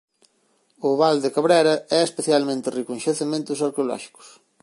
O val de Cabrera é especialmente rico en xacementos arqueolóxicos.